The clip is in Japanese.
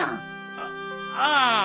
あっああ。